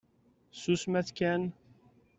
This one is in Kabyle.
Susmet kan!